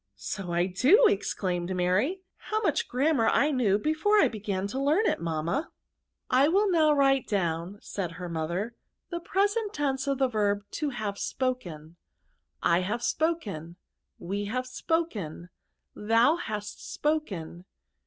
So Ido,"* exclaimed Mary; " howmuch^ grammar I knew before I began to learn it, mamifta !" 256 ^'Itrilliiawwiite down, vaid her mother; the present tense of the yerb to have spoken. tt i hare spoken. We have spoken. Hiou hast spoken.